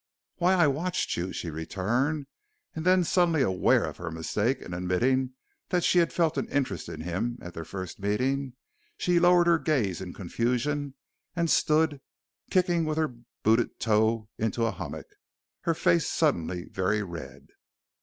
"Why, I watched you!" she returned. And then suddenly aware of her mistake in admitting that she had felt an interest in him at their first meeting, she lowered her gaze in confusion and stood, kicking with her booted toe into a hummock, her face suddenly very red.